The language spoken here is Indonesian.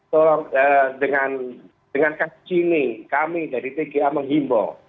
tolong dengan kasus ini kami dari tga menghimbau